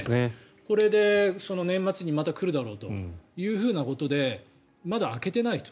これで年末にまた来るだろうというふうなことでまだ明けていないと。